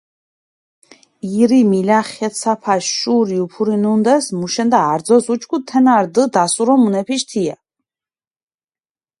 ირი მილახეცაფას შური უფურინუნდეს, მუშენდა არძოს უჩქუდჷ, თენა რდჷ დასურო მუნეფიშ თია.